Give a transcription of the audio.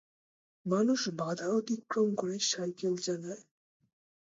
মানুষ বাধা অতিক্রম করে সাইকেল চালায়